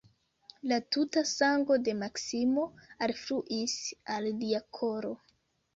La tuta sango de Maksimo alfluis al lia koro.